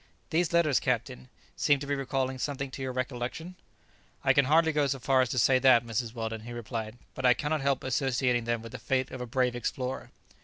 "These letters, captain, seem to be recalling something to your recollection. "I can hardly go so far as to say that, Mrs. Weldon," he replied; "but I cannot help associating them with the fate of a brave explorer."